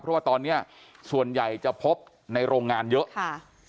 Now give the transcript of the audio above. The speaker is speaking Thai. เพราะว่าตอนนี้ส่วนใหญ่จะพบในโรงงานเยอะค่ะ